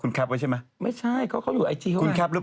คุณแพงนะไม่ได้แพง